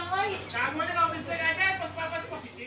tapi dia masih bisa menularkan pada orang lain